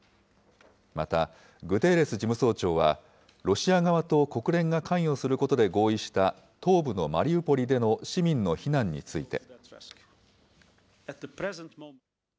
また、グテーレス事務総長は、ロシア側と国連が関与することで合意した、東部のマリウポリでの市民の避難について。